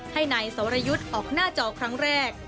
ให้นายสรยุทธ์ออกหน้าจอครั้งแรก